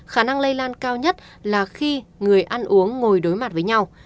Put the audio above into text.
khả năng lây lan cao nhất là khi người ăn uống ngồi đối mặt với nhau